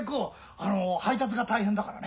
あの配達が大変だからね。